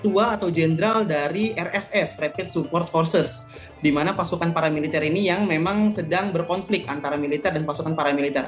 dan dia adalah ketua atau jenderal dari rsf rapid support forces di mana pasukan paramiliter ini yang memang sedang berkonflik antara militer dan pasukan paramiliter